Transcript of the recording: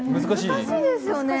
難しいですよね。